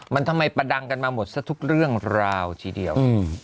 มันทำไมประดังกันมาหมดซะทุกเรื่องราวทีเดียว